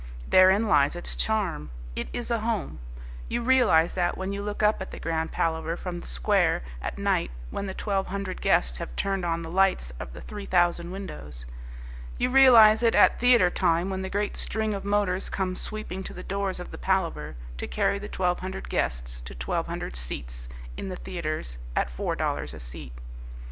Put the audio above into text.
Therein lies its charm. It is a home. You realize that when you look up at the Grand Palaver from the square at night when the twelve hundred guests have turned on the lights of the three thousand windows. You realize it at theatre time when the great string of motors come sweeping to the doors of the Palaver, to carry the twelve hundred guests to twelve hundred seats in the theatres at four dollars a seat.